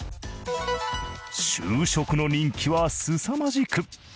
就職の人気はすさまじく。